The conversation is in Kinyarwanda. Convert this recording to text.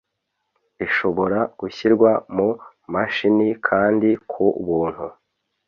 Ishobora gushyirwa mu mashini kandi ku buntu